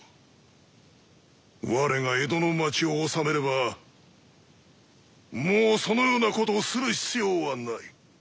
我が江戸の町をおさめればもうそのようなことをする必要はない。